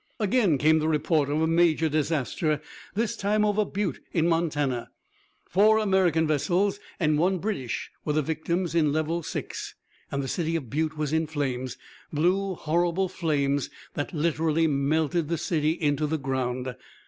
Again came the report of a major disaster, this time over Butte in Montana. Four American vessels and one British were the victims in level six. And the city of Butte was in flames; blue, horrible flames that literally melted the city into the ground.